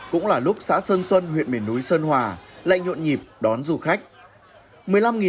cũng là lúc xã sơn xuân huyện miền núi sơn hòa lạnh nhuộn nhịp đón du khách